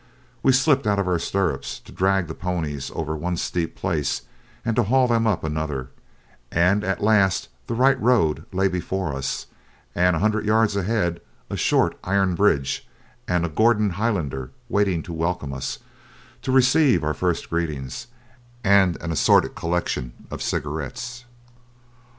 We slipped out of our stirrups to drag the ponies over one steep place, and to haul them up another, and at last the right road lay before us, and a hundred yards ahead a short iron bridge and a Gordon Highlander waited to welcome us, to receive our first greetings and an assorted collection of cigarettes.